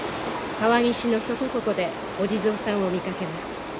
川岸のそこここでお地蔵さんを見かけます。